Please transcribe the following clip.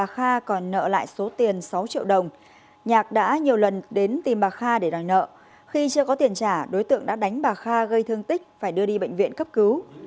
khi chưa có tiền trả đối tượng đã đánh bà kha gây thương tích phải đưa đi bệnh viện cấp cứu